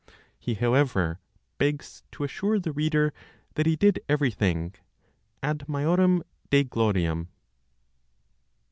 He, however, begs to assure the reader that he did everything "ad majorem Dei gloriam."